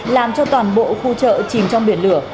làm cho toàn bộ khu chợ chìm trong biển lửa